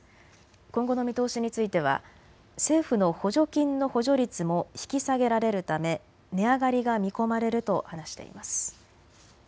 今後の見通しについては政府の補助金の補助率も引き下げられるため値上がりが見込まれると話しています。